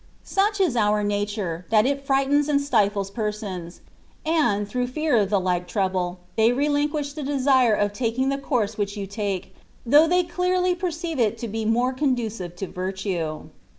Such is our nature^ that it frightens and stifles persons^ and (through fear of the like trouble)^ they relinquish the desire of taking the course which you take^ though they clearly pereeite it to be more conducive to virtue.